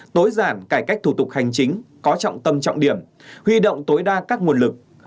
tối giản cải cách thủ tục hành chính có trọng tâm trọng điểm huy động tối đa các nguồn lực